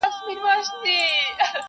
• شکر وباسمه خدای ته په سجده سم,